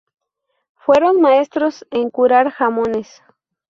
Fueron maestros en curar jamones.